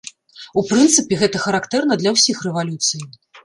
У прынцыпе, гэта характэрна для ўсіх рэвалюцый.